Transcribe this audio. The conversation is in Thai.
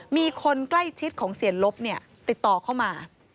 มีคนใกล้ชิดของเสียลบติดต่อเข้ามา